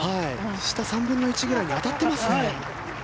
下３分の１ぐらいに当たっていますね。